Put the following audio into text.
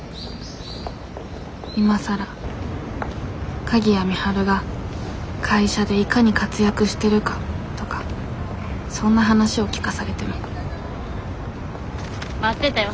今更鍵谷美晴が会社でいかに活躍してるかとかそんな話を聞かされても待ってたよ。